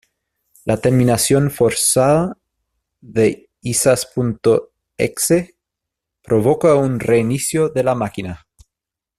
La terminación forzada de lsass.exe provoca un reinicio de la máquina.